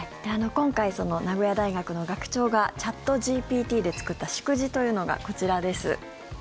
今回、名古屋大学の学長がチャットＧＰＴで作った祝辞というのがこちらです。